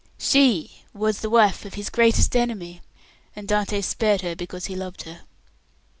"She was the wife of his greatest enemy, and Dantès spared her because he loved her."